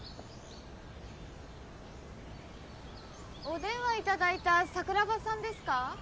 お電話いただいた桜庭さんですか？